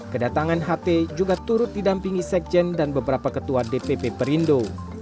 kedatangan ht juga turut didampingi sekjen dan beberapa ketua dpp perindo